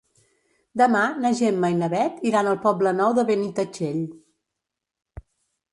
Demà na Gemma i na Bet iran al Poble Nou de Benitatxell.